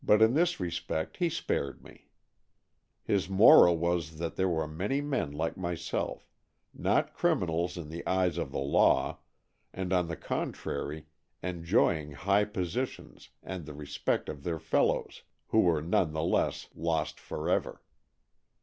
But in this respect he spared me. His moral was that there were many men like myself, not criminals in the eyes of the AN EXCHANGE OF SOULS 223 law, and on the contrary enjoying high posi tions and the respect of their fellows, who were none the less lost for ever.